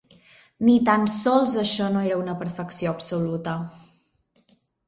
Ni tan sols això no era una perfecció absoluta.